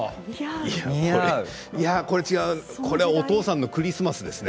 これはお父さんのクリスマスですね。